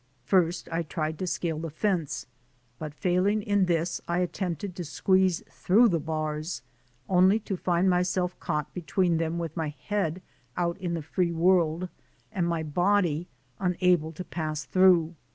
First I tried to scale the fence, but failing in this, I attempted to squeeze through the bars, only to find myself caught between them with my head out in the free world and my body unable to pass through.